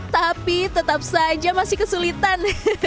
tapi tetap saja masih kesulitan